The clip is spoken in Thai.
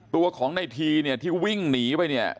ตัวของในทีเนี่ยที่วิ่งหนีไปเนี่ย